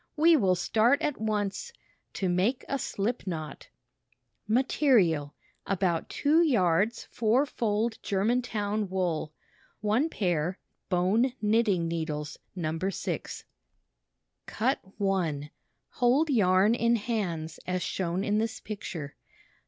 "We will start at once — To Make a Slip Knot Material : About 2 yards four fold Germantown wool. One pair bone knitting needles No. 6. Cut 1 Hold yarn in hands as shown in this picture.